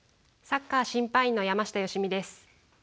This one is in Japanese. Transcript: サッカー審判員の山下良美です。